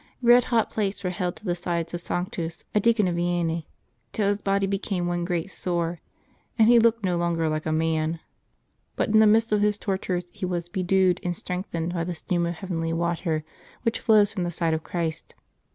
Red hot plates were held to the sides of Sanctus, a deacon of Vienne, till his body be came one great sore, and he looked no longer like a man ; but in the midst of his tortures he was "bedewed and strengthened by the stream of heavenly water which flows from the side of Christ."